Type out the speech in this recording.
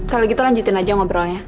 kalau gitu lanjutin aja ngobrolnya